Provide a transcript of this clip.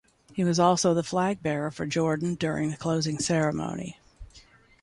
He was also the flag bearer for Jordan during the closing ceremony.